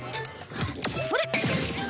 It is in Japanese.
それ！